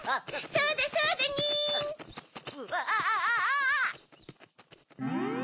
そうだそうだニン！うわ！